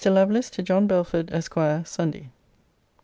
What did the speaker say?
LOVELACE, TO JOHN BELFORD, ESQ. SUNDAY.